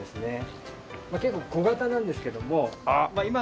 結構小型なんですけども今ですと。